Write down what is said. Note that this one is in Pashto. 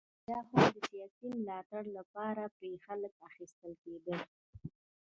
یا هم د سیاسي ملاتړ لپاره پرې خلک اخیستل کېدل.